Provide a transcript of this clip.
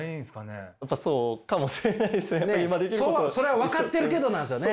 それは分かってるけどなんですよね。